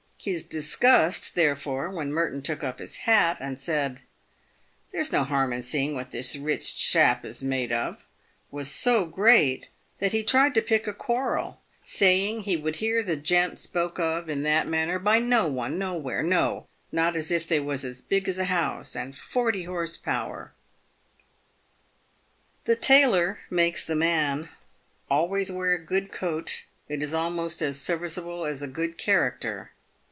His dis gust, therefore, when Merton took up his hat, and said, " there is no harm in seeing what this rich chap is made of," was so great, that he tried to pick a quarrel, saying he would hear the gent spoke of in that manner by no one, nowhere — no, not if they was as big as a house, and forty horse power." The tailor makes the man. Always wear a good coat. It is almost as serviceable as a good character.